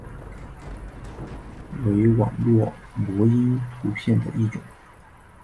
为网络模因图片的一种。